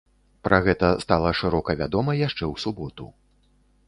Пра гэта стала шырока вядома яшчэ ў суботу.